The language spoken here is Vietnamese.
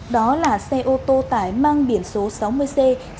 đó là xe ô tô tải mang biển số sáu mươi c sáu nghìn một trăm năm mươi ba